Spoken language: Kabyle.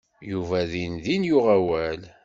Yuba dindin yuɣ awal.